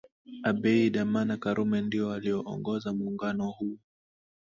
Abeid Amana Karume ndio walioongoza muungano huu